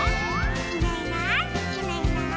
「いないいないいないいない」